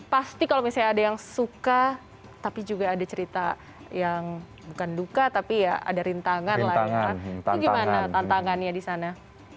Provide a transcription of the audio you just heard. pasti kalau misalnya ada yang suka tapi juga ada cerita yang bukan duka tapi ya ada rintangan lah ya itu gimana tantangannya di sana